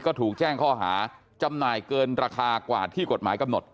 ก็ถูกแจ้งข้อหาจำหน่ายเกินราคากว่าที่กฎหมายกำหนด